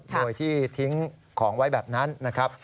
โดยที่ทิ้งของไว้แบบนั้นนะครับ